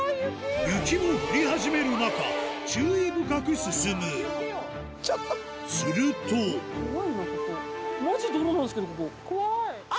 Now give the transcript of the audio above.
雪も降り始める中注意深く進むすると怖いな